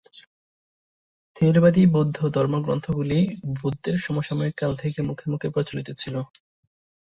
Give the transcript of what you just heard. থেরবাদী বৌদ্ধ ধর্মগ্রন্থগুলি বুদ্ধের সমসাময়িক কাল থেকে মুখে মুখে প্রচলিত ছিল।